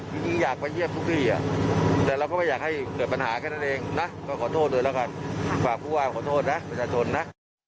พี่นี่อยากไปเยี่ยมทุกที่อ่ะแต่เราก็ไม่อยากให้เกิดปัญหาแค่นั้นเองนะ